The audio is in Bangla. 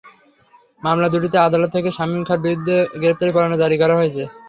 মামলা দুটিতে আদালত থেকে শামীম খাঁর বিরুদ্ধে গ্রেপ্তারি পরোয়ানা জারি করা হয়েছে।